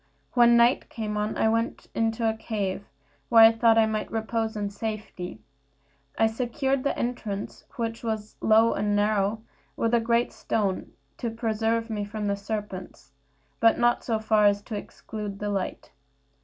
When night came on I went into a cave, where I thought I might repose in safety. I secured the entrance, which was low and narrow, with a great stone, to preserve me from the serpents, but not so far as to exclude the light.